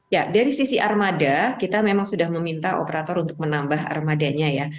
ya dari sisi armada kita memang sudah meminta operator untuk menambah armadanya ya